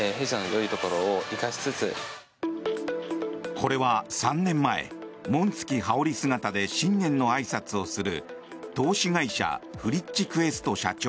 これは３年前、紋付き羽織姿で新年のあいさつをする投資会社フリッチクエスト社長